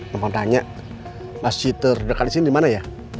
nama yang tanya mas cheater dekat di sini di mana ya